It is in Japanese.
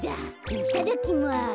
いただきます。